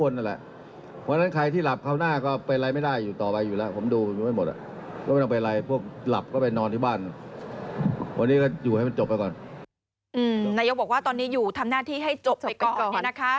นายกบอกว่าตอนนี้อยู่ทำหน้าที่ให้จบไปก่อน